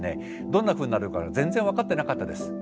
どんなふうになるか全然分かってなかったです。